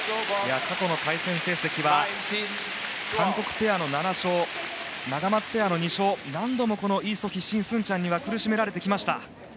過去の対戦成績は韓国ペアの７勝ナガマツペアの２勝と何度もイ・ソヒとシン・スンチャンには苦しめられてきました。